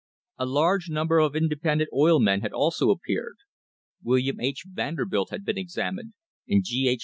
A large number of independent oil men had also appeared. William H. Vanderbilt had been examined, and G. H.